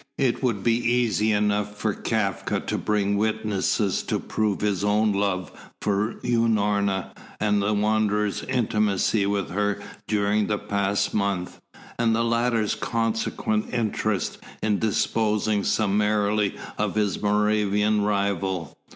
It would be easy enough for Kafka to bring witnesses to prove his own love for Unorna and the Wanderer's intimacy with her during the past month, and the latter's consequent interest in disposing summarily of his Moravian rival.